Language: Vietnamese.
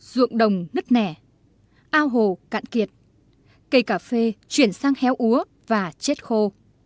ruộng đồng nứt nẻ ao hồ cạn kiệt cây cà phê chuyển sang héo úa và chết khô